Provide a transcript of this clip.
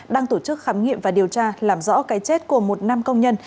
đang tổ chức khám nghiệm và điều tra làm rõ cái chết của một nam công nhân